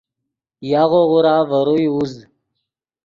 یاغو غورا ڤے روئے اوزد